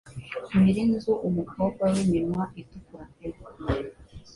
Nyiri inzu umukobwa wiminwa itukura pe